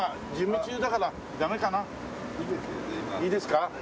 いいですか？